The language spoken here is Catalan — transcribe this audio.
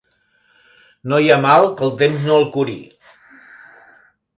No hi ha mal que el temps no el curi.